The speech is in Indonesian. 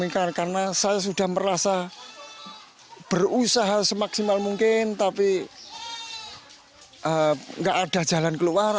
karena saya sudah merasa berusaha semaksimal mungkin tapi tidak ada jalan keluar